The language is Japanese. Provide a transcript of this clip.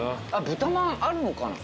豚まんあるのかな？